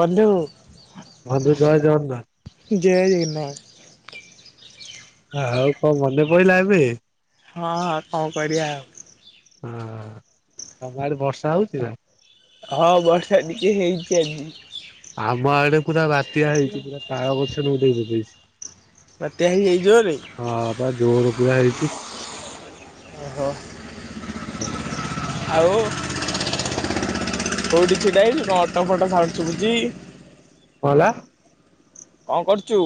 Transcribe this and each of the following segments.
ବନ୍ଧୁ ବନ୍ଧୁ ଜୟ ଜଗନ୍ନାଥ ଜୟ ଜଗନ୍ନାଥ ଆଉ କଣ ମନେ ପଡିଲା ଏବେ ହଁଁ କଣ କରିବା ଆଉ। ହଁ ତମ ଆଡେ ବର୍ଷା ହଉଛି ନା। ହଁ ବର୍ଷା ଟିକେ ହେଇଛି ଆଜି। ଆମ ଆଡେ ପୁରା ବାତ୍ୟା ହେଇଚି ପୁରା ତାଳ ଗଛ ପୁରା ଉଡେଇ ପକେଇଛି। ବାତ୍ୟା ହେଇ ହେଇ ଜୋରେ ହଁ ବା ଜୋର ପୁରା ହେଇଚି। ଓହୋ [inaudible] ଆଉ କୋଉଠି? ଛିଡ଼ା ହେଇଚି କଣ ଅଟ ଫଟ ସାଉଣ୍ଡ ଶୁଭୁଚି କଣ ହେଲା? କଣ କରୁଚୁ?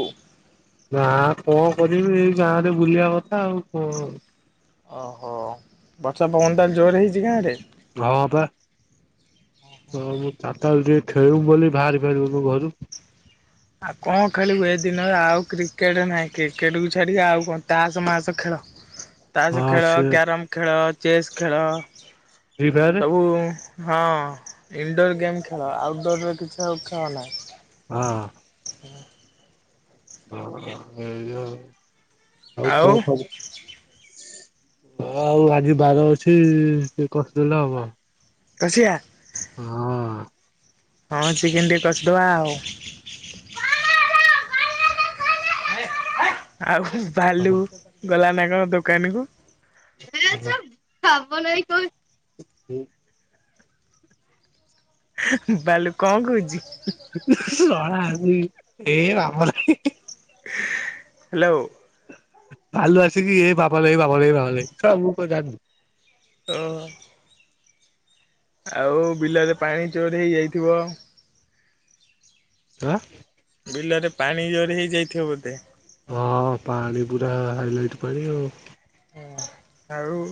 ଗାଁ କଣ କରିବି ଏଇ ଗାଁରେ ବୁଲିବା କଥା ଆଉ କଣ? ଓହୋ ବର୍ଷା ପବନ ତାହେଲେ ଜୋରେ ହେଇଚି ଗାଁରେ। ହଁ ବା ମୁଁ ଚାରିଟାବେଳୁ ଟିକେ ଖେଲିବୁ ବୋଲି ବାହାରି ଫାରିବୁନୁ ଘରୁ ଆଉ କଣ ଖେଳିବୁ ଏ ଦିନରେ ଆଉ କ୍ରିକେଟ ନାହିଁ କ୍ରିକେଟ କୁ ଛାଡିକି ଆଉ କଣ ତାସ ମାସ ଖେଳ ତାସ ହଁ ଖେଳ ସେ କ୍ୟାରମ ଖେଳ ଚେସ୍ ଖେଳ ଫ୍ରି ଫାୟାରେ ସବୁ ହଁ ଇନଣ୍ଡୋର୍ ଗେମ୍ ଖେଳ ଆଉଟ ଡୋରରେ କିଛି ଆଉ ଖେଳ ନାହିଁ। ହଁ [inaudible] [unintelligible] ଆଉ କଣ କହ? ଆଉ ଆଜି ବାର ଅଛି ଟିକେ କସିଦଲେ ହବ। କସିଆ ହଁ ହଁ ଚିକେନ ଟିକେ କସିଦବା ଆଉ। ଆଉ ହଁ। ଭାଲୁ ଗଲା ନା କଣ ଦୋକାନୀ କୁ ଆଛା ଭାବ ନାଇଁ ତ ବାଲୁ କଣ କହୁଛି? [unintelligible] ଏଇ ଆମର ହାଲୋ। ଭାଲୁ ଆସିକି ଏଇ ବାପା ନାଇଁ ବାଘ ନାଇଁ ବାଘ ନାଇଁ ଶଳା ମୁଁ କଣ ଜାଣିନି। ହଁ ଆଉ ବିଲରେ ପାଣି ଜୋର ହେଇ ଯାଇଥିବ। ଆଁ ବିଲରେ ପାଣି ଜୋର ହେଇ ଯାଇଥିବ ବୋଧେ ହଁ ପାଣି ପୁରା ହାଇଲାଇଟ ପାଣି ଆଉ। ହ ଆଉ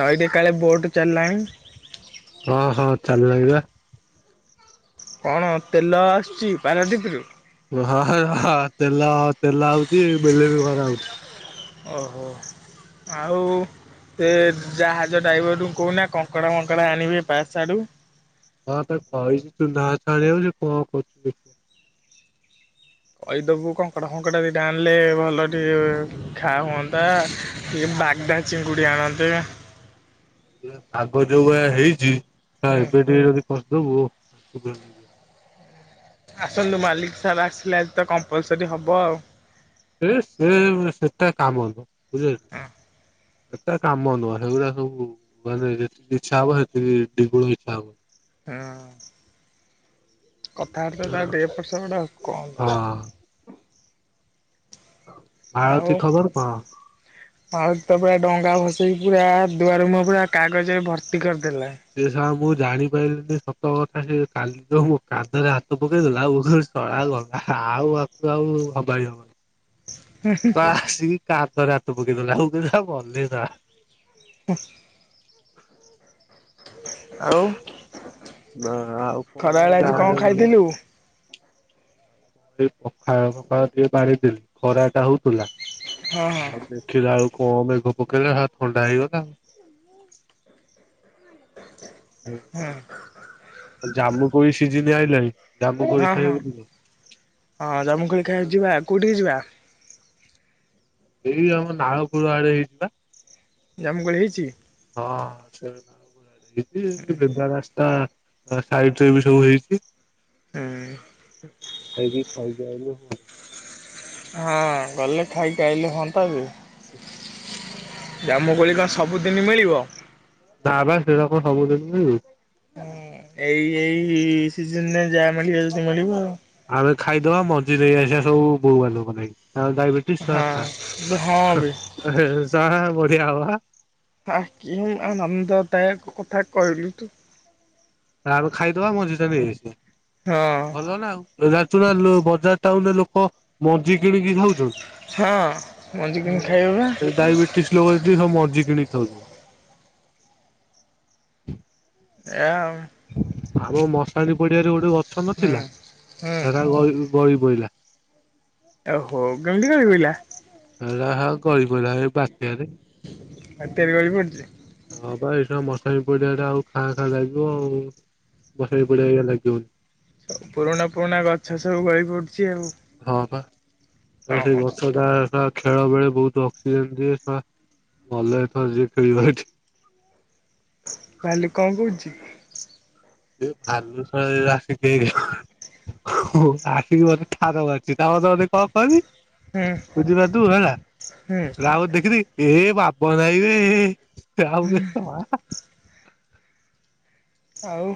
ନଈଟି କାଳେ ବୋଟ ଚାଲିଲାଣି। ହଁ ହଁ ଚାଲିଲାଣି ବା। କଣ? ତେଲ ଆସୁଚି? ପାରାଦ୍ଵୀପରୁ ହଁ ତେଲ ତେଲ ଆଉଛି ବିଲରେ ବି ଖରା ହଉଛି। ଓହୋ ଆଉ ସେ ଜାହାଜ ଡ୍ରାଇଭରଙ୍କୁ କହୁନା କଙ୍କଡ଼ା ମଙ୍କଡ଼ା ଆଣିବେ ପାସ୍ ଆଡୁ। ହଁ ତାକୁ କହିଛି ତୁ ନା ଛାଣି ସିଏ କଣ କରୁଛି? କହିଦବୁ କଙ୍କଡା ଫଙ୍କଡା ଦିଟା ଆଣିଲେ ଭଲ ଟିକେ ଖା ହୁଅନ୍ତା ଟିକେ ବାଗଦା ଚିଙ୍ଗୁଡ଼ି ଆଣନ୍ତେ ପାଗ ଯୋଉ ଭଳିଆ ହେଇଛି ହଁ ହୁଁ ଏବେ ଟିକେ ଯଦି କରିଦବୁ ହଁ। ଆସନ୍ତୁ ମାଲିକ ସାର୍ ଆସିଲେ ଆଜି ତ କମ୍ପଲସରୀ ହବ ଆଉ। ସେ ସେଟା କାମ ନୁହଁ ବୁଝି ହଉଚି ସେଟା କାମ ନୁହଁ ସେଗୁଡା ସବୁ ମାନେ ଯେତିକି ଇଛା ହବ ସେତିକି ଦ୍ୱିଗୁଣ ଇଚ୍ଛା ହଉନି। ହଁ କଥାବାର୍ତ୍ତା ତାର ଟିକେ ଏପଟସେପଟ ଆଉ କଣ ହଁ କରିବା। ଆଳତି ଖବର କଣ? ଆଳତୀ ତ ପୁରା ଡଙ୍ଗା ଭସେଇକି ପୁରା ଦୁଆର ମୁହଁ ପୁରା କାଗଜରେ ଭର୍ତ୍ତି କରିଦେ ସେ ଶଳାଙ୍କୁ ଜାଣିପାରିଲିନି ସତ କଥା ସେ କାଲି ଯୋଉ ମୋ କାନ୍ଧରେ ହାତ ପକେଇଦେଲା ମୁଁ କହିଲି [unintelligible] ଗଲା ଆଉ ଆକୁ ଆଉ ସମ୍ଭାଳି ହବନି। [unintelligible] ଆସିକି ତା ହାତରେ ହାତ ପକେଇଦେଲା ମୁଁ କହିଲି ମଲି। [unintelligible] ହୁଁ ଆଉ ନା ଆଉ ଖରାବେଳେ ଏଇଟା ଆଜି କଣ ଗୋଟେ ଖାଇଥିଲୁ? ପଖାଳ ଫଖାଳ ଟିକେ ବାଢ଼ିଦେଲି ଖରା ଟା ହଉଥିଲା। ହଁ ହଁ ଆଉ ଦେଖିଲ ଆଉକୁ କ ମେଘ ପକେଇଲା ସ ଥଣ୍ତା ହେଇଗଲା। ହଁ ଜାମୁ କୋଳି ସିଝିନି ଆଇିଲଣି। ହଁ ହଁ ହଁ ଜାମୁ କୋଳି ଖାଇବାକୁ ଯିବା ।କୋଉଠିକୁ ଯିବା? ଏଇ ଆମ ନାଳକୁଳ ଆଡେ ହେଇଚିପା। ଜାମୁକୋଳି ହେଇଛି? ହଁ ସେ ଯିବି ଏଇ ବେବ ରାସ୍ତା ତା ସାଇଟ ରେ ବି ସବୁ ହେଇଛି। ହୁଁ ଖାଇକି ସୈକି ଆଇଲୁ। ହୁଁ। ହଁ ଗଲେ ଖାଇକି ଆଇଲେ ହୁଅନ୍ତା ଯେ। ହୁଁ। ଜାମୁ କୋଳି କଣ ସବୁଦିନ ମିଳିବ? ନାବା ସେରକମ ସବୁଦିନ ମିଳିବ କି? ହ ଏଇ ଏଇ ସିଜନରେ ଯାହା ମିଳିବ ଯଦି ମିଳିବ ଆଉ। ଆମେ ଖାଇଦବା ମଞ୍ଜି ନେଇ ଆସିବା ସବୁ ବୋଉ ମାନଙ୍କ ପାଇଁ ଆ ଡାଇବେଟିସ୍ ଖା ହଁ ହଁ ବେ ଯାହା ବଆ ହବ ଆ ହ କି ଆନନ୍ଦ ଦାୟକ କଥା କହିଲୁ ତୁ। ଆ ଖାଇଦବା ମଜି ଟା ନେଇଆସିବା। ହଁ ଭଲ ନା ଆଉ। ଯାଚୁ ବଜାର ଟାଉନରେ ଲୋକ ମଞ୍ଜି କିଣିକି ହଁ ମଞ୍ଜି କିଣି ଖାଇବ ବା ଖାଉଛନ୍ତି। ଡାଇବେଟିସ ଲୋକ ଯଦି ମଜି କିଣ ହଉ। ଆ ଆମ ମଶାଣି ପଡିିଆ ରେ ଗୋଟେ ଗ ଛ ହୁଁ ନଥିଲା ହୁଁ ହେରା ଗଳି ଗଳି ପଇଲା। ଓହୋ ଗମଡି କ ପଇଲା। ଲାହା କହି ଗଲା ଏଇ ବାତ୍ୟାରେ। ହାତରେ ଗଳି ପଡିଛି ମଶାଣିୀ ପଡିଆ ଟା ଆଉ ଖାଁ ଖାଁ ଲାଗିବ ଆଉ ମସା ପାଣି ପଡିଆଇ ଲାଗିବଣି। ସ ପୁରୁଣା ପୁରୁଣା ଗଛ ସବୁ ଗଳି ପଡୁଛି ଆଉ। ହଁ ବା। ଆ ସେଇ ଓହୋ ଗଛ ଟା ସେ ଖେଳ ବେଳେ ବହୁତ ଅକ୍ସିଜେନ ଦିଏ ଭଲ ହେଇ ଯିଏ ଖେଳିବା ଏଠି। ବାଲି କଣ କଉଚି ସେ ଭାଲୁ ସହ ଆସିିକି ଆସିକି ମତେ ଠାର ମାରୁଛି ତା ମନେ ମନେ କନ୍ କହନି ହୁଁ ବୁଝପାରୁଥିବୁ ହେଲା ହୁଁ ରାହୁ ଦେଖି ଦେଇକି ଏ ବାବ ନାଇବେ ତ ଆଉ କେ ମା ଆଉ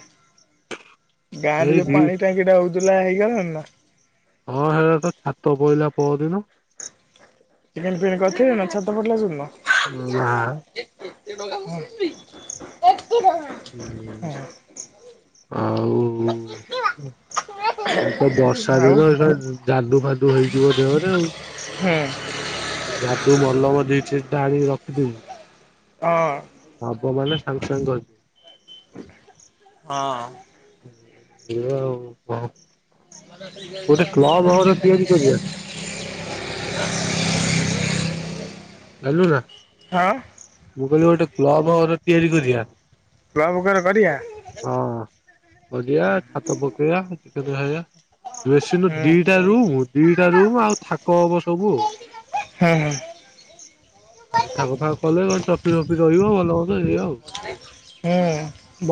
ଗାଁ ରେ ଯୋଉ ଏଇଠି ପାଣି ଟାଙ୍କି ଟା ହଉଛି। ଦୁଲା ହେଇଗଲାଣି ନା? ହଁ ହେରା ତ ଛାତ ପଡ଼ିଲା ପହରଦିନ। ଚିକେନ ଫିକେନ୍ କରିଥିଲେ ନା ଛାତ ପଡିଲା ଦିନ। ହଁ ହଁ। [unintelligible] [unintelligible] ହଁ। ହଉ। ଏ ତ ବର୍ଷା ଆଉ ଦିନ ଏଟା ଯାଦୁ ଫାଦୁ ହେଇଯିବ ଦେହରେ ଆଉ ହୁଁ ଯାଦୁ ମଲମ ଦେଇଛି। ଟା ଆଣୀକି ରଖିଥିବୁ। [inaudible] ହଁପ ମାନ ଆସଙ୍ଗ ଗପୁର [inaudible] ହଁ। [unintelligible] ଗୋଟେ କ୍ଲବ ଘର ତିଆରି କରିବା [unintelligible] କିଲୁ ନା ହଁ ମୁଁ କହିଲି ଗୋଟେ କ୍ଲବ ଘର ତିଆରି କରିବା। ରୁଆ ପୋଖରୀ କରିବା [inaudible] ହଁ କରିଆ ଛାତ ପକେଇଆ କେଦ ହୋ ଏସି ର ହୁଁ ଦୁଇଟା ରୁମ୍। ଦିଟା ରୁମ୍ ଆଉ ଥାକ ହବ ସବୁ ଆଉ ହଁ ହଁ। ଫାଙ୍କ ଫାଙ୍କ କଲେ କଣ ଟ୍ରଫି ଫ୍ରଫି ରହିବ ଭଲ ଏଇଆ ଆଉ। ହୁଁ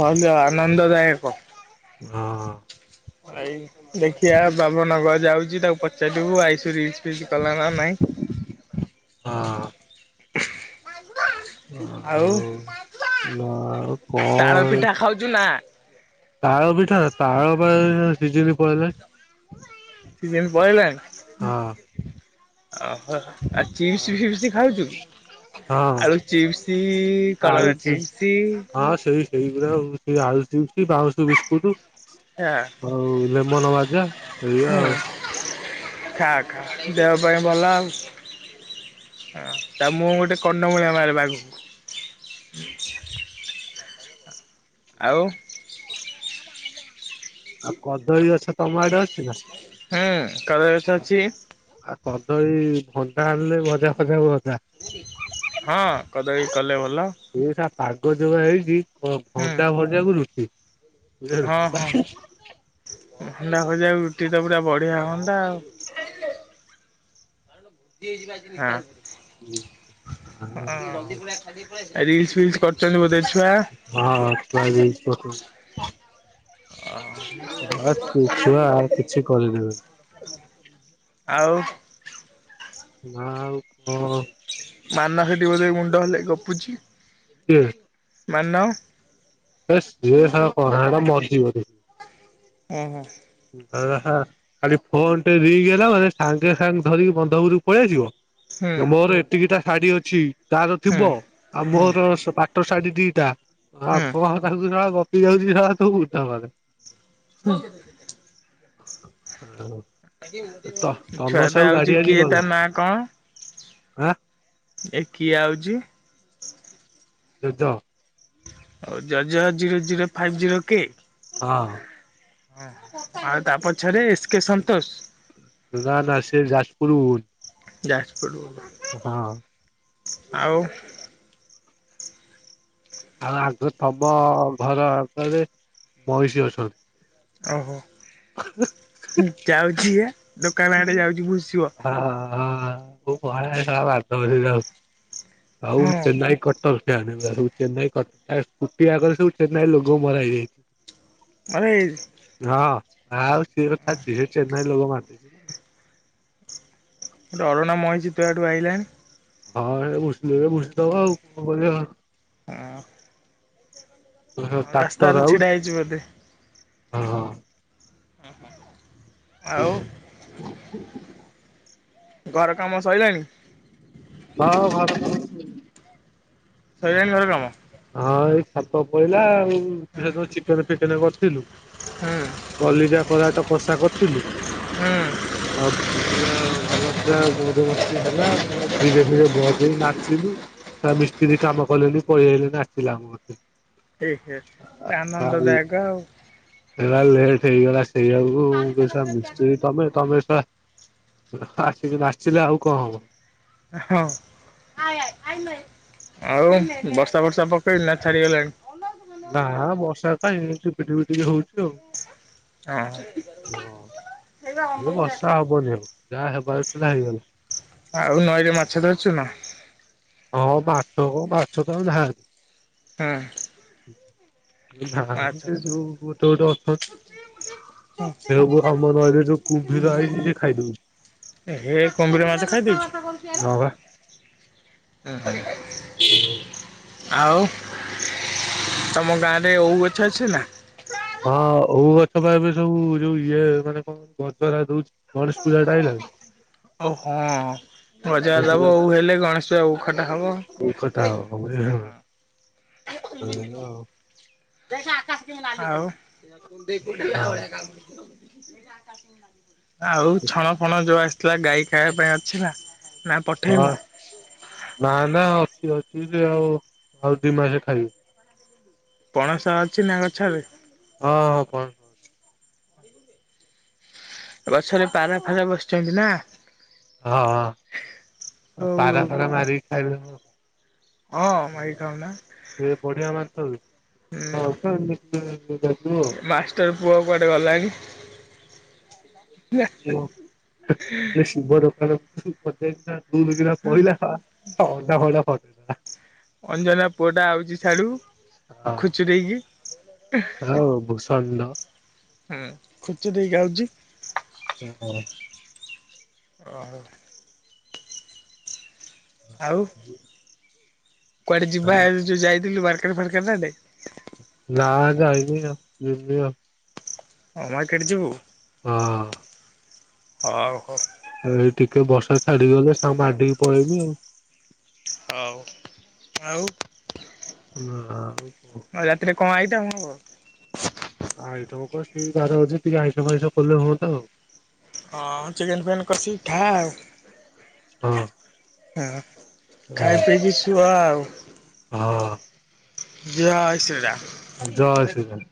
ଭଲ ଯ ଆନନ୍ଦଦାୟକ ହଁ। ଏଇ ଦେଖିବା ବାବନଗର ଯାଉଛି ତାକୁ ପଚାରିବୁ ଆଇସରି କଲା ନା ନାଇ ହଁ [inaudible] ଆଉ ନା ତାଳ କଣ ପିଠା ଖାଉଛୁ ନା? ତାଳ ପିଠା ତାଳ ପା ସିଜିନ ପାଲେଇଲାନି। ସିଯିନ ପଳେଇଲାଣି। ଓହୋ ଆଉ ଚିପ୍ସ ଫିପ୍ସ ଖାଉଛୁ ହଁ ଆଳୁ ଚିପ୍ସ କଲରା ଚିପ୍ସ। ହଁ ସେଇ ଗୁରା ଆଉ ସେଇ ଆଳୁ ଚିପ୍ସ ବାଉଁଶ ବିସ୍କୁଟୁ। ଖା ଆଉ ଲେମନ ବାଜା ହେଇଆ ହୁଁ ଆଉ। [inaudible] ଖା ଖା ଦେହ ପାଇଁ ଭଲ ଆଉ ତା ମୁହଁ କୁ ଗୋଟେ କନମୂଳିଆ ମାରିବ ଆଗକୁ। ଆଉ। [inaudible] ଆଉ କଦଳୀ ଗଛ ତମ ଆଡେ ଅଛି ନା। ହୁଁ କଦଳୀ ଗଛ ଅଛି। ଆଉ କଦଳୀ ଭଣ୍ଡା ଆଣିଲେ ଭଜା ଫଜା ହୁଅ ହଁ। କଦଳୀ କଲେ ଭ ଏ ସା ପାଗ ଯୋଉଆ ହେଇଚି ଓ ହୁଁ ଭଣ୍ଡା ଭଜା କୁ ରୁଟି ବୁଝିଲୁ ହଁ ନା ହଁ ଭଣ୍ଡା ଭଜା ରୁ ଏ ପୁରା ବଢିଆ ହୁଅନ୍ତା ଆଉ। ହଁ। ହଁ। ଏ ରିଲ୍ସ୍ ଫିଲ୍ସ୍ କରିଚୁନ୍ତି ବୋଧେ ଛୁଆ। ହଁ ହଁ ଛୁଆ ରିଲ୍ସ କରୁଚନ୍ତି। ଏ [unintelligible] ଛୁ-ଛୁଆ କିଛି କରେଇ ଦେବେ ଆଉ। ନା ଆଉ କ ମାନା ସେଟିି ବୋଧେ ମୁଣ୍ଡ ହଲେଇ ଗପୁଚି। ମାନ। ହେଶ୍ ଇଏ ସେଟା କହନା ସେଟା ମରିଯିବ ବେ। ଅଁ, ହଁ। ଏଟା ଶଳା ଖାଲି ଫୋନ୍ ଟେ ରିଙ୍ଗ୍ ହେଲା ମାନେ ସାଙ୍ଗେ ସାଙ୍ଗେ ଧରିକି ବନ୍ଧ ଉପରକୁ ପଳେଇ ଆସିବ। ହୁଁ ଯୋଉ ମୋର ଏତିକିଟା ଶାଡି ଅଛି। ତାର ହୁଁ ଥିବ ଆଉ ମୋର ହୁଁ ସେ ପାଖ ତୋ ଶାଡି ଦିଟା। ଆ କୁଆହ କାହାକୁ ନା ଗ ଯିଏ ଯାଉଚି ବି ଶଳା ତୁ ମୁଠା ମାରେ ହୁଁ। [unintelligible] ତ ତନ ଛୁଆଟା ସାହୁ ଗାଡି ଆଉଚି ଆଣି କିଏ ଗଲା ତା ନାଁ କଣ? ଆଁ? ଏ କିଏ ଆଉଚି? ଜେଜ। ଆଉ ଜୋ ଜୋ ଜିରୋ ଜିରୋ ଫାଇଭ୍ ଜିରୋ କେ ହଁ। ଅଁ, ହଁ ଆଉ ତା ପଛରେ ଏସ୍ କେ ସନ୍ତୋଷ। ନା ନା ସେ ଜା ପୁରୁ ଯାଜପୁରରୁ ହଁ ଆଉ ଆଗ ତମ ଘର ଆଗରେ ମଇଁଷୀ ଅଛନ୍ତି। ଓହୋ ଯାଉଛି ହେ ଦୋକାନ ଆଡେ ଯାଉଛି ଭୁଷିବ। [unintelligible] ହଉ ହଁ ଚେନାଇ କଟ [inaudible] ଚେନ୍ନାଇ ସ୍କୁଟି ଆଗରେ ସବୁ ଚେନ୍ନାଇ ଲୋଗ ମରା ହେଇଯାଇଛି। ହଁ। [unintelligible] ଆଉ [unintelligible] ଗୋଟେ ଅରୁଣା ମଇଁଷି ତୋ ଆଡୁ ଆଇଲାଣି। ହଁ ହେଟା ଭୁସିଲେ ତ ଭୁସି ଦେବ ଆଉ କଣ କରିବା। ହଁ ଆଉ ରାସ୍ତାରେ ଛିଡ଼ା ହେଇଛୁ ବୋଧେ? ହ ହଁ ଓହୋ ଆଉ? ଘର କାମ ସଇଲାଣି। ହଁ ଘରକାମ ସ ସଇଲାଣି ଘର କାମ। ହଁ ଏଇ ଛାତ ପଇଲା ଆଉ। ହଁ ସେ ଚିକେନ ଫିକେନ କରିଥିଲୁ ହୁଁ କଲିଜା କରାଟ କଷା କରିଥିଲୁ। ହୁଁ ଆ ପୁରା ଭଲ ପୁରା ମୋଜ ମସ୍ତି ହେଲା। ପୁରା ଧୀରେ ଧୀରେ ବଜେଇ ନାଚିଲୁ ସ ମିସ୍ତ୍ରୀ କାମ କଲେନି ପଳେଇଆଇଲେ। ଆସିଥିଲା ଆମ କତିକି ଆନନ୍ଦଦାୟକ ଆଉ। ସେଇଗଲାଛି ସେଇଆକୁସ ମିସ୍ତ୍ରୀ ତମେ ତମେସ ଆସି ଆସିିଲେ ଆଉ କଣ ହବ ହଁ ଆ ଆଉ ବର୍ଷା ବର୍ଷା ପକେଇନି ନା ଛାଡିଗଲାଣି? ନାଁ ବର୍ଷା ଭାଇ ପି ପିଟିକ ହଉଛି ଆଉ ହଁ ଓ ହେଲେ ବର୍ଷା ହବନଉ ଯାହା ହେବ ଏଲଥିଲା ହେଇଗଲା। ଆଉ ନଈରେ ମାଛ ଧରିଛୁ ନା? ହଁ ପାଶ କ ବାଶ ତ ଯହାନ୍ତି। ହଁ [unintelligible] ପ୍ ସେବୁ ଆମ ନହରେ ଯୋଉ କୁମ୍ଭୀର ହେଇଛି ସେ ଖାଇଦଉଛି। ହେ କୁମ୍ଭୀର ମାଛ ହୁଁ [unintelligible] ଆଉ ତମ ଗାଁ ରେ ଏଉ ଗଛ ଅଛି ନା? ହଁ ହଉ ଗଛ ପାଇଁ ଏବେ ସବୁ ଯୋଉ ଇଏ ମାନେ କଣ ଗ ଯୋଉ ଗଣେଶ ପୂଜା ଟା ହେଇଲାଣି? ଓ ହଁ ରଜା ଗଣେଶ ପୂଜା ଦବ ଆଉ ହେଲେ ଗଣେଶ ପ ଖାଟା ହବ ହ ହେଲା ଆଉ [unintelligible] ଆଉ କ ଦେଇ କୁଠେଳିଆ କାମ କର ସେ ଆକାଶାଗ ଆଉ ଛଣ ଫଣ ଯୋଉ ଆସି ଥିଲା ଗାଈ ଖାଇବା ପାଇଁ ଅଛି ନା? ନା ହଁ ପଠେଇବୁ ନା ନ ଅଛି ସେ ଆଉ ଆଉ ଦି ମାସେ ଖାଇବ ପଣସ ଅଛି ନା ଗଛରେ ହଁ ହଁ କହ ଗଛରେ ପାରା ଫାରା ବସିଛନ୍ତି ନା? ହଁ ହଉ ହଉ ପାରା ଫାରା ମାର ବି ଖାଇ ହଁ ମାଇ କାଉନା? ସ ହଁ ପା ଆମେ ହୁଁ ହୁଁ ମାଷ୍ଟର ପୁଅ କୁଆଡେ ଗଲାଣି [unintelligible] ଶିବ ଦୋକାନକୁ [unintelligible] ଦୁଲ କିିନା ପଡିଲା ଆ ହା ତା ଅଣ୍ଡା ଫଣ୍ଡା ଫଟେଇ ଦେଲା। ଅଞ୍ଜନା ପୁଅ ଟା ଆଉଚି ସିଆଡୁ। ହଁ ଖୁଚୁରେଇକି [inaudible] ହଉ ଭୂସଣ୍ଡ। ହୁଁ ଖୁଚୁଡେଇ କି ଆଉଚି। ହଁ। ଓ ହୋ। ଆଉ। କୁଆଡେ ଯିବା ଯୋଉ ଯାଇଥିଲୁ ବା କେବେ [unintelligible] ନା ଯାଇନି ଆଉ ଯିବି ଆଉ। ହଁ ମାର୍କେଟ ଯିବୁ? ହଁ। ହଉ ହଉ। ଏ ଟିକେ ବର୍ଷା ଛାଡିଗଲେ ସାଙ୍ଗ ମାଣ୍ଡିିକି ପଳେଇବି ଆଉ। ହଉ ଆଉ? ଆଉ ଆଉ ରାତିରେ କଣ ଆଇଟମ ହବ? ଆଇଟମ କଥାଛିିକ ଆଇଇସ କରଲେ ହୁଅନ୍ତା ଆଉ। ହଁ ଚିକେନ ଫିକେନ କସିକି ଖା ଆଉ। ହଁ। ହଁ ଖାଇ ପିଇକିି ଶୁଅ ଆଉ। ହଁ ଯଏ ଶ୍ରୀ ରାମ। ଜୟ ଶ୍ରୀ ରାମ।